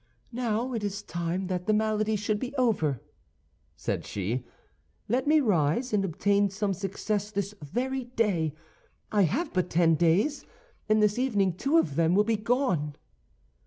"Now it is time that the malady should be over," said she; "let me rise, and obtain some success this very day. I have but ten days, and this evening two of them will be gone."